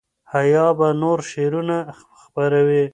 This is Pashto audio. حیا به نور شعرونه خپروي.